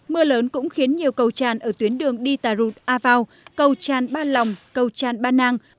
mưa lớn cũng khiến nhiều cầu tràn ở tuyến đường đi tà rụt a vau cầu tràn ba lòng cầu tràn ba nang